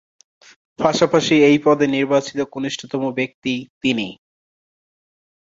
পাশাপাশি এই পদে নির্বাচিত কনিষ্ঠতম ব্যক্তি তিনি।